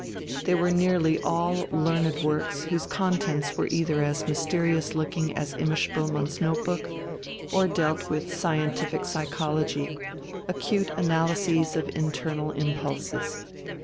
They were nearly all learned works whose contents were either as mysterious looking as Imma Spoelmann's notebook, or dealt with scientific psychology, acute analyses of internal impulses.